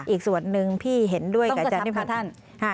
อีกส่วนหนึ่งพี่เห็นด้วยกับอาจารย์ค่ะท่าน